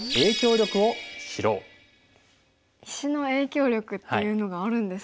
石の影響力っていうのがあるんですか？